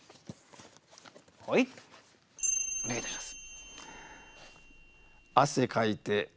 お願いいたします。